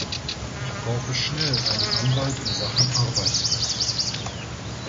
Ich brauche schnell einen Anwalt in Sachen Arbeitsrecht.